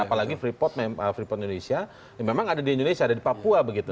apalagi freeport indonesia memang ada di indonesia ada di papua begitu